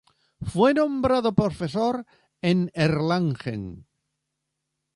Fue nombrado profesor en Erlangen.